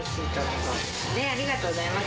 ありがとうございます。